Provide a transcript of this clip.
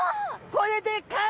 これでかい！